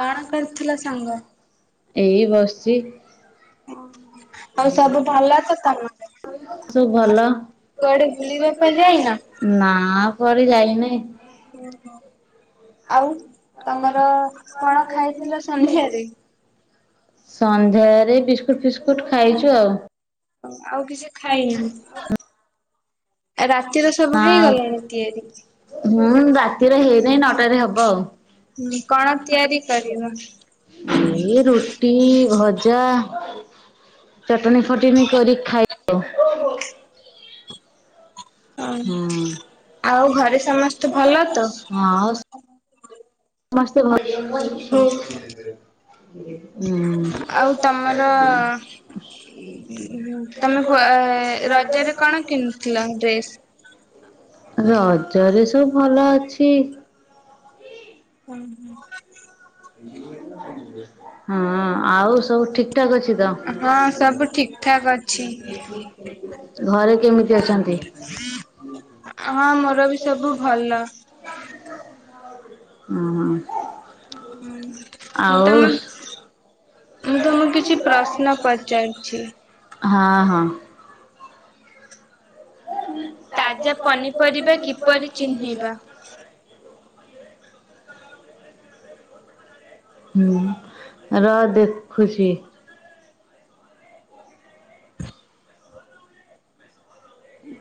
କଣ କରୁଥିଲ ସାଙ୍ଗ? ଏଇ ବସଚି। ଆଉ ସବୁ ଭଲ ତ [unintelligible] ସବୁ ଭଲ କୁଆଡେ ବୁଲିବା ପାଇଁ ଯାଇନା ନା କୁଆଡେ ଯାଇନି ଓହୋ ଆଉ ତମର କଣ ଖାଇଥିଲ ସନ୍ଧ୍ୟାରେ ସନ୍ଧ୍ୟାରେ ବିସ୍କୁଟ ଫିସ୍ କୁଟ ଖାଇଛୁ ଆଉ। ଆଉ କିଛି ଖାଇିନି। ରା ର ସବୁ ନା ହେଇଗଲାଣି ହୁଁ ରାତିରେ ହେଇନାହିଁ ନଅଟାରେ ହବ ତିଆରି କଣ ତିଆରି କରିବାି। ଆଉ ଏଇ ରୁଟି ଭଜା ଚଟଣି ଫଟଣି କରି ଖାଇ ଉଁ ହୁଁ ଆଉ ଘରେ ସମସ୍ତେ ଭଲ ତ। ମସ୍ ଆଉ ହୁଁ ତମର ତମେ କୁଆ ରଜରେରେ ରଜରେ କଣ କିଣିଥିଲ ଡ୍ରେସ୍? ସବୁ। ଭଲ ଅଛି। ହୁଁ ହୁଁ। ହଁ। ଆଉ ସବୁ ଠିକ ଠାକ ଅଛି ତ ହଁ ସବୁ ଠିକ ଠାକ ଅଛି ଘରେ କେମିତି ଅଛନ୍ତି? ହଁ ମୋର ବି ସବୁ ଭଲ। ଉ ହୁଁ। ହୁଁ। ଆଉ ହଁ ମୁଁ ତମକୁ କିଛି ପ୍ରଶ୍ନ ପଚାରୁଛି। ହଁ। [unintelligible] ତାଜା ପନିପରିବା କିପରି ଚିହ୍ନେଇବା? ହୁଁ ରହ ଦେଖୁଚି।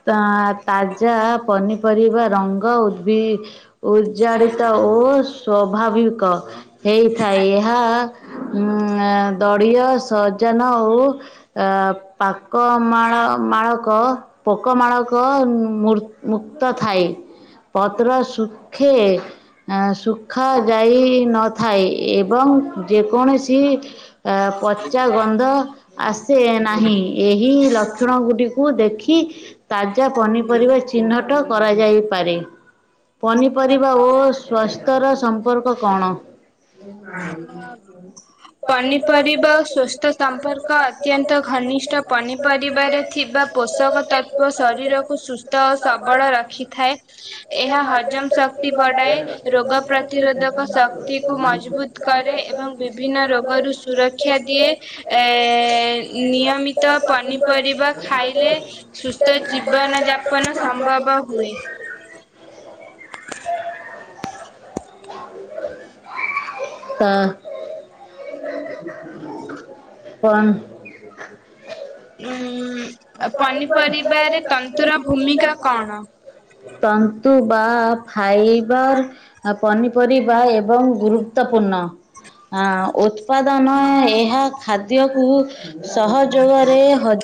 ତା ତାଜା ପନିପରିବା ରଙ୍ଗ ଉଦ୍ଦବି ଉଜ୍ଜାଡ଼ିତ ଓ ସ୍ଵଭାବିକ ହେଇଥାଏ। ଏହା ହୁଁ ଆ ଦଡ଼ିୀୟ ସଜନ ଓ ପାକ ମାଳ ମାଳକ ପୋକମାଳକ ମୁ ମୁକ୍ତ ଥାଏ ପତ୍ର ସୁଖେ ଆ ଦେଖାଯାଇ ନଥାଏ ଏବଂ ଯେକୌଣସି ପଚା ଗନ୍ଧ ଆସେ ନାହିଁ ଏହି ଲକ୍ଷଣ ଗୁଡ଼ିକୁ ଦେଖ। ଠିକ। ତା ଜା ପନିପରିବା ଚିହ୍ନଟ। କରାଯାଇପାରେ ପନିପରିବା ଓ ସ୍ଵାସ୍ଥ୍ୟର ସମ୍ପର୍କ କଣ? [unintelligible] ଓ ଶରୀରକୁ ସୁସ୍ଥ ଓ ସବଳ ରଖିଥାଏ ଏହା ହଜମ ଗରୁ ସୁରକ୍ଷା ଦିଏ ଏ ନିୟମିତ ପନିପରିବା ଖାଇଲେ। ସୁସ୍ଥ ଜୀବନ ଯାପନ ସମ୍ଭବ ହୁଏ। ହଁ। କନ। ଉଁ ପାନି କଣ? ତନ୍ତୁ ବା ଫାଇବର ଅ ପନି ପରିବା ଏବଂ ଗୁରୁତ୍ୱପୂର୍ଣ୍ଣ ଆଁ ଉତ୍ପାଦନ ଏହା ଖାଦ୍ୟକୁ ସହଯୋଗରେ ହ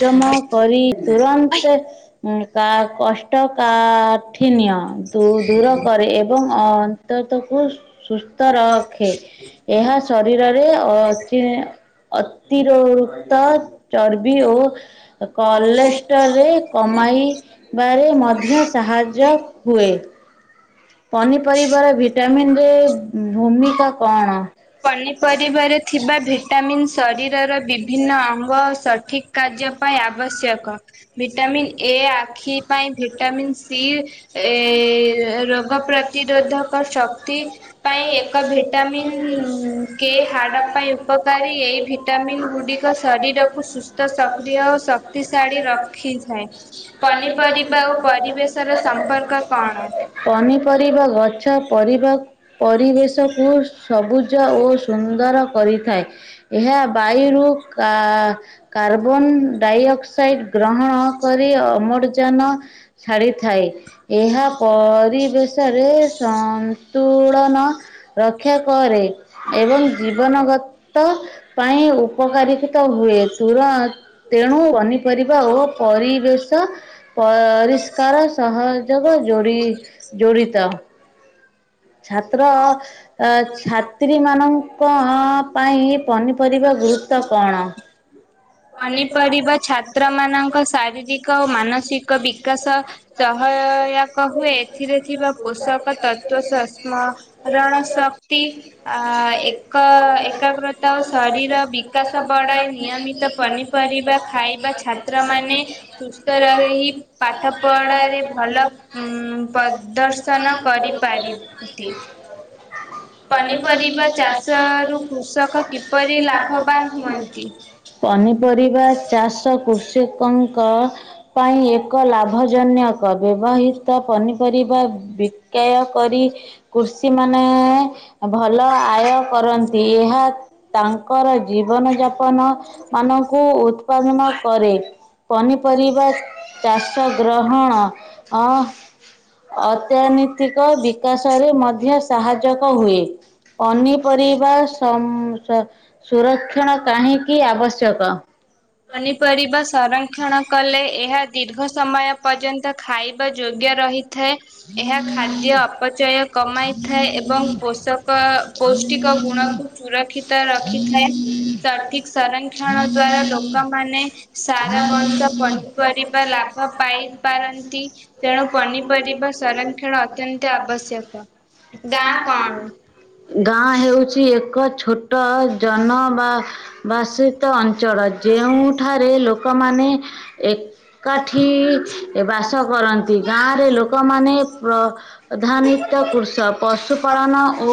ହଜମ କରି ତୁରନ୍ତ ଉଁ। କା କଷ୍ଟକାଠିନ୍ୟ ଦୂ ଦୂର କରେ ଏବଂ ଅ ତ ତ କୁସ ସୁସ୍ଥ ରଖେ ଏହା ଶରୀରରେ ଅଚ ଅ ଅତିରୋକ୍ତ ଚର ବି ଓ। କଲେଷ୍ଟରରେ କମାଇ ବାରେ ମଧ୍ୟ ସାହାଯ୍ୟ ହୁଏ। ପନିପରିବାର ଭିଟାମିନ ରେ ଭୂମିକା କଣ? ପନିପରିବାରେ ଥିବା ଭିଟାମିନ୍ ଶରୀରର ବିଭିନ୍ନ ଅଙ୍ଗ ସଠିକ୍ କାର୍ଯ୍ୟ ପାଇଁ ଆବଶ୍ୟକ ଭିଟାମିନ୍ ଏ ଆଖି ପାଇଁ ଭିଟାମିନ୍ ସି ଏ ରୋ ପ୍ରତିରୋଧକ ଶକ୍ତି ପାଇଁ ଏକ ଭିଟାମିନ୍। ଉ କେ ହାଡ଼ ପାଇଁ ଉପକାରୀ ଏହି ଭିଟାମିନ୍ ଗୁଡିକ ଶରୀରକୁ ସୁସ୍ଥ ସକ୍ରିୟ ଓ ଶକ୍ତିଶାଳୀ ରଖିଥାଏ ପନିପରିବା ଓ ପରିବେଶର ସମ୍ପର୍କ କଣ? କରିବା ଗ ଛ ପରିବା ପରିବେଶକୁ ସବୁ ସବୁଜ ଓ ସୁନ୍ଦ କରିଥାଏ ଏହା ବାୟୁ ରୁ କା କାର୍ବ ବନ ଡାଇଅକ୍ସାଇଡ୍ ଗ୍ରହଣ କରି ଅମ ଜନ ଛାଡ଼ିଥାଏ। ଏହା ପରିବେଶ ରେ ସନ୍ତୁଳନ ରକ୍ଷା କରେ ଏବଂ ଜୀବନଗତ ପାଇଁ ଉ ଉପକାରୀକୃତ ହୁଏ ତୁର ତେଣୁ ଅନତ। [inaudible] କରିବା ଓ ପରିବେଶ ପରିଷ୍କାର ସହଯୋଗ ଯୋଡି କୁଡ଼ିତ। ଛାତ୍ର ଅ ଛାତ୍ରୀ ମାନଙ୍କୁ। ଲୋକ ପାଇଁ ପନିପରିବା ଗୁରୁତ୍ଵ କଣ? ପନିପରିବା ଛାତ୍ର ମାନଙ୍କ ଶାରୀରିକ ଓ ମାନସିକ ବିକାଶ ସହାୟକ ହୁଏ ଏଥିରେ। ଥିବା ପୋଷକ ତତ୍ଵ ସ୍ମରଣ ଶକ୍ତି ଆ ଏକ ଏକାଗ୍ରତା ଓ ଶରୀର ବିକାଶ ବଢା ନିୟମିତ। ପନିପରିବା ଖାଇବା ଛାତ୍ରମାନୋନ ସୁସ୍ଥ ରହି ପାଠପଢ଼ାରେ ଭଲ ଦର୍ଶନ କରିପାରନ୍ତି। ପନିପରିବା ଚାଷ ଚାଷରୁ ରୁ କୃଷକ କିପରି ଲାଭ ଲାଭବାନ ବାନ ହୁଅନ୍ତି? ହେବା ପନିପରିବା। ଚାଷ କୃଷକ। ମୁଙ୍କ। ପାଇଁ ଏକ ଲାଭ। ଭଜନ ବ୍ୟବହିତ ପନିପରିବା। ବୱବ୍। ବିକ୍ରୟ କରି କୃଷିମାନେ ଭଲ ଆୟ କରନ୍ତି ଏହା ତାଙ୍କର। ଜୀବନଯାପନ ଉପନ ମାନଙ୍କୁ ଉତ୍ପାଦନ କରେ ପନିପରିବା ଚାଷ ଗ୍ରହଣ। ଅହ। ଅତନୈତିକ ବିକାଶରେ ମଧ୍ୟ ସାହାଯ୍ୟକ ହୁଏ ପନିପରିବା ସମ, ସୁରକ୍ଷଣ କାହିଁକି ଆବଶ୍ୟକ? ପନିପରିବା ସଂରକ୍ଷଣ କଲେ ଏହା ଦୀର୍ଘ ସମୟ ପର୍ଯ୍ୟନ୍ତ ଖାଇବା ଯୋଗ୍ୟ ରହିଥାଏ। ଥାଏ ଏହା ଖାଦ୍ୟ ଅପଚୟ କମାଇଥାଏ ଏବଂ ପୋଷକ ପୌଷ୍ଟିକ ଗୁଣକୁ ସୁରକ୍ଷିତ ରଖିଥାଏ ସଠିକ ସଂରକ୍ଷଣ ଦ୍ଵାରା ଲୋକ। ଲୋକମାନେ ସାରା ବର୍ଷ ପନିପରିବା ଲାଭ ପାଇପାରନ୍ତି ତେଣୁ ପିନି। ଗାଁ କଣ ଆବଶ୍ୟକ। ଗାଁ କଣ? ଗାଁ ହେଉଛି ଏକ। ଏକ ଛୋଟା। ଜନବାସିତ ଅଞ୍ଚଳ ଯେଉଁଠାରେ ଲୋକମାନେ ଏକାଠି ବାସ କରନ୍ତି ଗାଁ। ମାନେ ପ୍ରଧାନିତ କୃଷ ପଶୁପାଳନ ଓ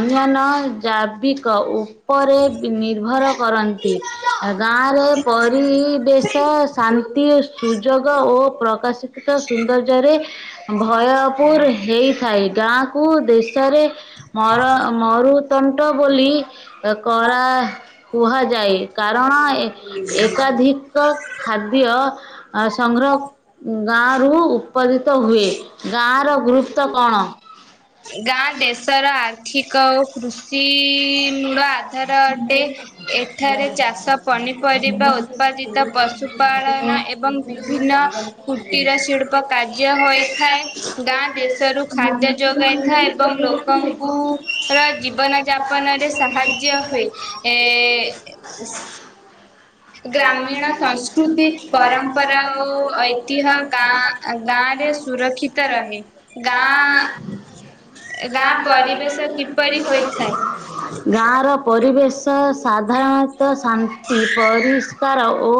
ଅନ୍ୟାନ୍ୟ ଜୈବିକ ଉପ। ଉପରେ ନିର୍ଭର କରନ୍ତି ଗାଁରେ ପରିବେଶ ଶାନ୍ତି ସୁଯୋଗ ଓ ପ୍ରକାଶିତ ସୁୌନ୍ଦର୍ଯ୍ୟ। ଭୟପୁର ହେଇଥାଏ ଗାଁ କୁ ଦେଶରେ ମୋର ମୋରୁ। ତଣ୍ଟ ବୋଲି। ତକରା। କୁହାଯାଏ କାରଣ ଏ ଏକାଧିକ ଖାଦ୍ୟ ଆ ସଂଗ୍ରହ ଗାଁରୁ ଉତ୍ପାଦିତ ହୁଏ। ଗାଁର ଗୁରୁତ୍ୱ କଣ? ଗାଁ ଦେଶର ଆର୍ଥିକ ଓ। କୃଷି-ଇ ର ଆଧାର ଅଟେ। ଏଠାରେ ଚାଷ ପନିପରିବା ଉତ୍ପାଦିତ ପଶୁପାଳନ ଏବଂ ବିଭିନ୍ନ କୁଟୀର ଶିଳ୍ପ କାର୍ଯ୍ୟ ହୋଇଥାଏ। ଗାଁ ଦେଶରୁ ଖାଦ୍ୟ ଯୋଗାଇ ଥା ଏବଂ ଲୋକଙ୍କୁ ର ଜୀବନ ଯାପନରେ ସାହାଯ୍ୟ ହୁଏ ଏ। ଗ୍ରାମୀଣ ସଂସ୍କୃତି ପରମ୍ପରା ଓ ଐତିହ୍ୟ ଗାଁ ଗାଁରେ ସୁରକ୍ଷିତ ରହେ। ଗାଁ, ଗାଁ ପରିବେଶ କିପରି ହୋଇଥାଏ? ଗାଁ ର ପରିବେଶ ଶ ସାଧାରଣତଃ ଶାନ୍ତି ପରିଷ୍କାର ଓ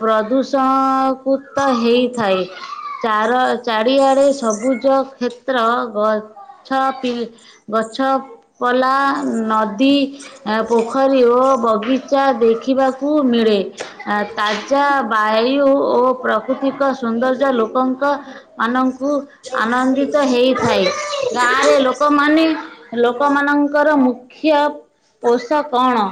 ପ୍ରଦୁତ୍ ସଅଁ କୁତ ହେଇଥାଏ। ଚାର ଚାରିଆଡେ ସବୁଜ କ୍ଷେତ୍ର ଗ ଠ ପିଲ୍। ଗଛ ପଲା ନଦୀ, ପୋଖରୀ ଓ ବଗିଚା ଦେଖିବାକୁ ମିଳେ। ତାଜା ବାଇ ଓ ପ୍ରକୃତିକ ସୌନ୍ଦର୍ଯ୍ୟ ଲୋକଙ୍କ ମାନଙ୍କୁ ଆନନ୍ଦିତ ହେଇଥାଏ। ଗାଁରେ ଲୋକ ଲୋକମାନେ ଲୋକମାନଙ୍କର ମୁକ୍ ମୁଖ୍ୟ ପୋଷ କଣ?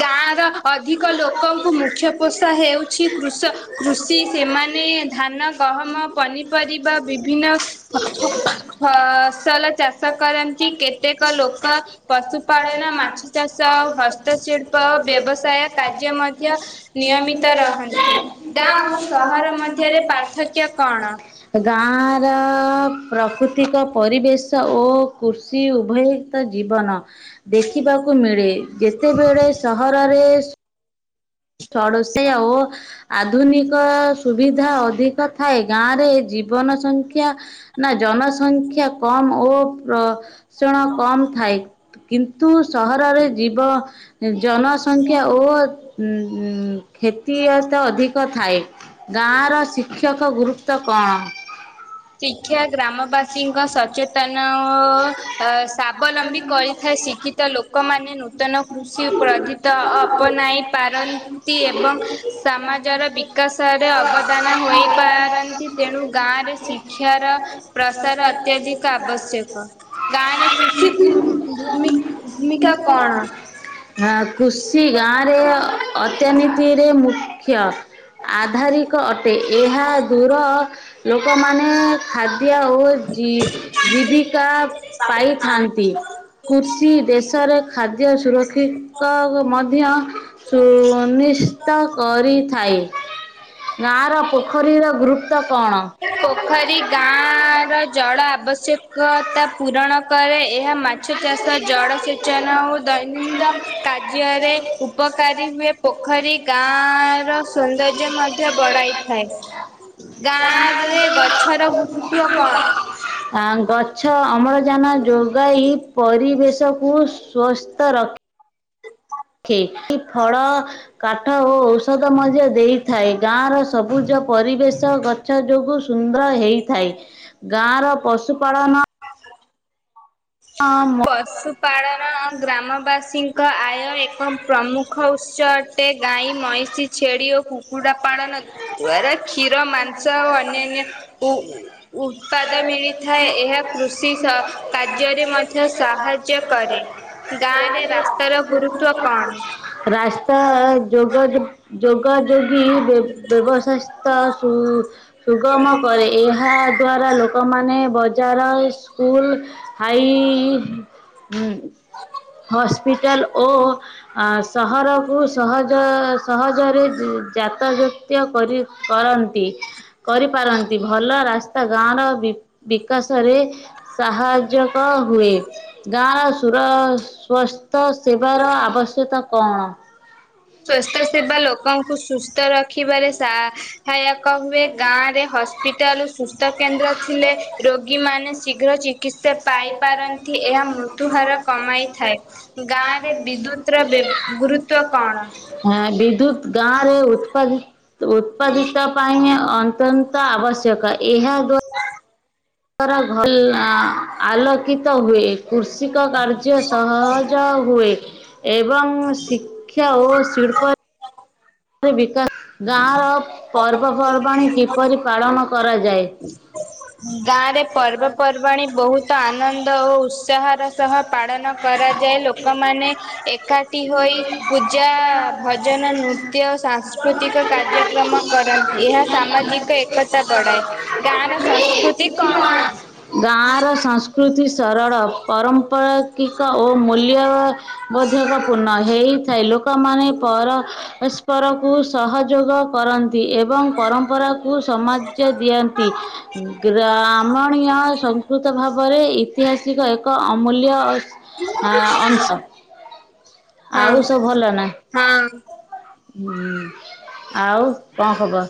ଗାଁ ର ଅଧିକ ଲୋକଙ୍କୁ ମୁଖ୍ୟ ପୋଷା ହେଉଛି କୃଷ, କୃଷି ସେମାନେ ଧାନ, ଗହମ, ପନିପରିବା ବିଭିନ୍ନ ଫ-ଫ ଫସଲ ଚାଷ କରନ୍ତି। କେତେକ ଲୋକ ପଶୁପାଳନ, ମାଛ ଚାଷ ଆଉ ହସ୍ ଗାଁର ଅ ମଧ୍ୟ ନିୟମିତ ରହନ୍ତି। ଗାଁ ଓ ସହର ମଧ୍ୟରେ ପାର୍ଥକ୍ୟ କଣ? ଅ। ପ୍ରକୃତିକ ପରିବେଶ ଓ କୃଷି ଉଭୟିତ ଜୀବନ। ଦେଖିବାକୁ ମିଳେ। ଯେତେବେଳେ ସହରରେ ସୁ ଥଡ଼ସ ଓ ଆଧୁନିକ ସୁବିଧା ଅଧିକ ଥାଏ। ଗାଁ ରେ ଜୀବନ ସଂଖ୍ୟା, ନା ଜନସଂଖ୍ୟା କମ୍ ଓ ପ୍ର ଷଣ କମ୍ ଥାଏ। କିନ୍ତୁ ସହରରେ ଜୀବ ଜନସଂଖ୍ୟା ଓ [unintelligible] କ୍ଷତିୟ ତ ଅଧିକ ଥାଏ। ଗାଁର ଶିକ୍ଷକ ଗୁରୁତ୍ୱ କଣ? ଶିକ୍ଷା ଗ୍ରାମ ବାସୀ କୃଷିଙ୍କ ସଚେତନ ଓ ସ୍ୱାବଲମ୍ବୀ କରିଥାଏ। ଶିକ୍ଷିତ ଲୋକମାନେ ନୂତନ କୃଷି କ୍ରୋଧିତ ଅପନାଇ ପାରନ୍ତି, ଏବଂ ସମାଜର ବିକାଶରେ ଅବଦାନ ହୋଇପାରନ୍ତି। ତେଣୁ ଗାଁରେ ସି [inaudible] ହଁ [unintelligible] ଆବଶ୍ୟକ। ଗାଁରେ କୃଷି ଭୂମି ଭୂମି ଭୂମିକା କଣ? ଖୁସି ଗାଁ ଅତ୍ୟନୀତିରେ ମୁଖ। [inaudible] ଆଧାରିକ ଅଟେ ଏହା ଦୂର ଲୋକମାନେ ଖାଦ୍। [unintelligible] ଓ ଜୀବିକା ପାଇଥାନ୍ତି। କୃଷି ଦେଶରେ ଖାଦ୍ୟ ସୁରକ୍ଷିକଉ ମଧ୍ୟ ସୁନିଶିତ କରିଥାଏ ଗାଁର ଖରିର ଗ୍ରୁପ୍ ପୋଖରୀ ଗାଁ ର ଜଳ ଆବଶ୍ୟକ ତା ପୂରଣ କରେ। ଏହା ମାଛ ଚାଷ ଜଳ ସେଚନ ଓ ଦୈନନ୍ଦ କାର୍ଯ୍ୟରେ ଉପକାରୀ ହୁଏ। ପୋଖରୀ ଗାଁ ର ସୌନ୍ଦର୍ଯ୍ୟ ମଧ୍ୟ ବଢାଇଥାଏ। ଗାଁ ଏ ଗଛର ଗୁରୁତ୍ଵ କଣ? ଗଛ ଅମଳ ଜାନ ଯୋଗାଇ ପରିବେଶକୁ ସ୍ଵସ୍ଥ ର ଖେ ଫଳ, କାଠ ଓ ଔଷଧ ମଧ୍ୟ ଦେଇଥାଏ। ଗାଁର ସବୁଜ ପରିବେଶ ଗଛ ଯୋଗୁ ସୁନ୍ଦର ହେଇଥାଏ। ଗାଁର ପଶୁପାଳନ ପଶୁ ପାାଳନ ଆ ଗ୍ରାମବାସୀ ଏକ ଆୟ ଏକ ପ୍ରମୁଖ ଉତ୍ସ ଅଟେ। ଗାଈ, ମଇଁଷି, ଛେଳି ଓ କୁକୁଡ଼ା ପାଳନ ଦ୍ୱାରା କ୍ଷୀର ମାନ ସହ ଅନ୍ୟାନ୍ୟ ଉ ଉତ୍ପାଦ ମିଳିଥାଏ। ଏହା କୃଷି କାର୍ଯ୍ୟରେ ମଧ୍ୟ [inaudible] ସାହାଯ୍ୟ କରେ। ଗାଁ ରେ ରାସ୍ତାର ଗୁରୁତ୍ୱ କଣ? ରାସ୍ତା ଯୋଗ ଯୋଗ ଯୋଗୀ ବ୍ୟବସାୟ ସୁ ସୁଗମ କରେ। ଏହା ଦ୍ଵାରା ଲୋକମାନେ ବଜାର ସ୍କୁଲ ହାଇ ହସ୍ପିଟାଲ ଓ ସହରକୁ ସହଜ ସହଜରେ ଯାତାଯତ କରି କରନ୍ତି। କରିପାରନ୍ତି ଭଲ ରାସ୍ତା ଗାଁର ବି ବିକାଶରେ ସାହାଯ୍ୟ ର ହୁଏ ଗାଁର ସରୁ ସ୍ଵସ୍ଥ ସେବାର ଆବଶ୍ୟକତା। କଣ? ସ୍ଵାସ୍ଥ୍ୟ ସେବା ଲୋକଙ୍କୁ ସୁସ୍ଥ ରଖିବାରେସାହାୟକ ହୁଏ। ଗାଁରେ ହସ୍ପିଟାଲ ସୁସ୍ଥକେନ୍ଦ୍ର ଥିଲେ ରୋଗୀମାନେ ଶୀଘ୍ର ଚିକିତ୍ସା ପାଇପାରନ୍ତି ଏହା ମୃତ୍ୟୁହାର କମାଇଥାଏ ଗାଁରେ ବିଦ୍ୟୁତର ବ୍ୟ ଗୁରୁତ୍ୱ କଣ? ହଁ ବିଦ୍ୟୁତ ଗାଁରେ ଉତ୍ପାଦ ଉତ୍ପାଦିତତ ପାଏଙ୍ଗେ ନ୍ତ ଆବଶ୍ୟକ। ଏହା ଗ ର ଘଲ ଆଲୋକିତ ହୁଏ। କୃଷିକ କାର୍ଯ୍ୟ ସହଜ ହୁଏ। ଏବଂ ଶିକ୍ଷା ଓ ଶିଡ଼ପା ବିଗାଶ ଗାଁର ପର୍ବପର୍ବାଣି କିପରି ପାଳନ କରାଯାଏ। ଗାଁରେ ପର୍ବପର୍ବାଣୀ ବହୁତ ଆନନ୍ଦ ଓ ଉତ୍ସାହର ସହ ପାଳନ କରାଯାଏ ଲୋକମାନେ ଏକାଠି ହୋଇ ପୂଜା ଭଜନ ନୃତ୍ୟ ସାଂସ୍କୃତିକ କାର୍ଯ୍ୟକ୍ରମ କରନ୍ତି ଏହା ସାମାଜିକ ଏକତା ବଢ଼ାଏ ଗାଁର କଣ ଗାଁର ସଂସ୍କୃତି ସରଳ ପରମ୍ପକିିକ ଓ ମୂଲ୍ୟବୋଧକପୂର୍ଣ୍ଣ ହେ ଥାଏ ଲୋକମାନୋନ ପର ରକୁ ସହଯୋଗ କରନ୍ତି। ଏବଂ ପରମ୍ପରାକୁ ସମାଜ ଦିଅନ୍ତି ଗ୍ରାମଣୀୟ ସଂସ୍କୃତ ଭାବ ବରେ ଐତିହାସିକ ଏକ ଅମୂଲ୍ୟ। ହ ଅଂଶ ଆଉ ସବୁ ହଁ ଭଲ ନା। ହଁ ହୁଁ ଆଉ କଣ ଖବର?